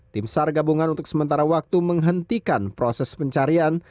tim sar gabungan untuk sementara waktu menghentikan proses pencarian